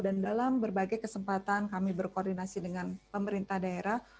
dan dalam berbagai kesempatan kami berkoordinasi dengan pemerintah daerah